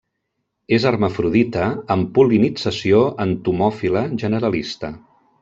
És hermafrodita, amb pol·linització entomòfila generalista.